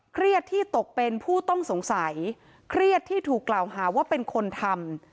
เครียดที่ตกเป็นผู้ต้องสงสัยเครียดที่ถูกกล่าวหาว่าเป็นคนทำ